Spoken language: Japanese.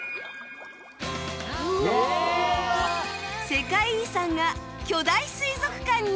世界遺産が巨大水族館に